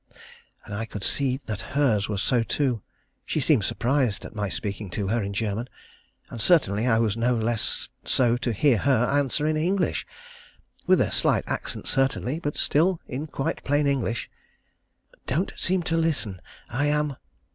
_" and I could see that hers was so too. She seemed surprised at my speaking to her in German, and certainly I was no less so to hear her answer in English, with a slight accent certainly, but still in quite plain English "Don't seem to listen. I am